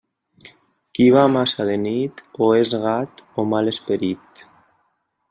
Qui va massa de nit, o és gat o mal esperit.